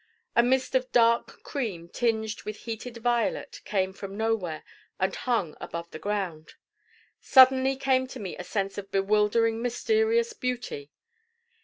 A mist of dark cream tinged with heated violet came from nowhere and hung above the ground. Suddenly came on me a sense of bewildering mysterious beauty.